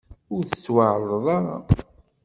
Ur tettwaεerḍeḍ ara.